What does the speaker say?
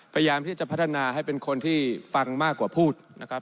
พยายามที่จะพัฒนาให้เป็นคนที่ฟังมากกว่าพูดนะครับ